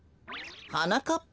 はなかっぱ？